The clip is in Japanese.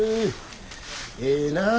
ええなあ